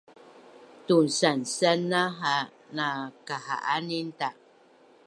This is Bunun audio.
Tunsansana ha na kaha’aninta’